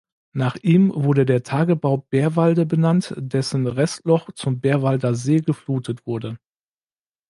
Nach ihm wurde der Tagebau Bärwalde benannt, dessen Restloch zum Bärwalder See geflutet wurde.